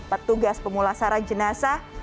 petugas pemulasaran jenazah